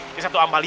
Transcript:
kalian satu amlia